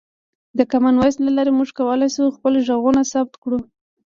د کامن وایس له لارې موږ کولی شو خپل غږونه ثبت کړو.